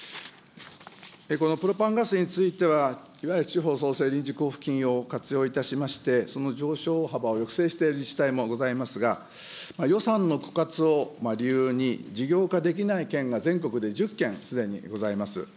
このプロパンガスについては、いわゆる地方創生臨時交付金を活用いたしまして、その上昇幅を抑制している自治体もございますが、予算の枯渇を理由に、事業化できない県が全国で１０県すでにございます。